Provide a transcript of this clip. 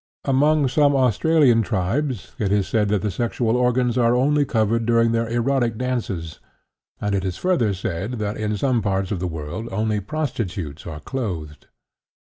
Among some Australian tribes it is said that the sexual organs are only covered during their erotic dances; and it is further said that in some parts of the world only prostitutes are clothed.